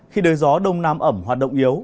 khi đời gió đông nam ẩm hoạt động yếu